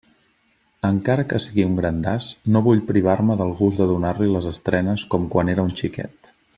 Encara que siga un grandàs, no vull privar-me del gust de donar-li les estrenes com quan era un xiquet.